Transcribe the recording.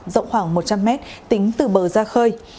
rộng khoảng một trăm linh mét tính từ bờ ra khơi